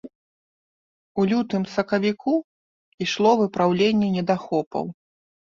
У лютым-сакавіку ішло выпраўленне недахопаў.